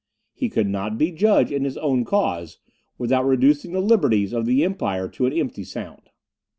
He could not be judge in his own cause, without reducing the liberties of the empire to an empty sound.